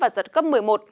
giật cấp một mươi một